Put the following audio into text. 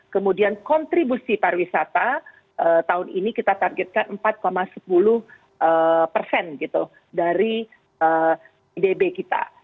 kemudian kontribusi pariwisata tahun ini kita targetkan empat sepuluh persen gitu dari pdb kita